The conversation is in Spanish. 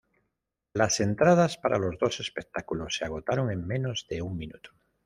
Las entradas para los dos espectáculos se agotaron en menos de un minuto.